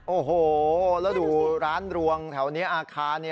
โอ้โหแล้วดูร้านรวงแถวนี้อาคาร